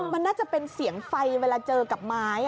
มันน่าจะเป็นเสียงไฟเวลาเจอกับไม้